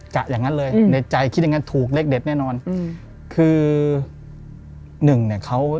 อย่างนั้นเลยในใจคิดอย่างงั้นถูกเลขเด็ดแน่นอนอืมคือหนึ่งเนี่ยเขา